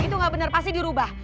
itu gak bener pasti dirubah